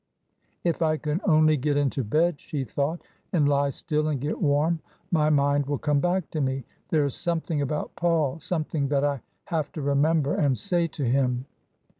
" If I can only get into bed," she thought, " and lie still and get warm, my mind will come back to me. There is something about Paul — something that I have to remember and say to him."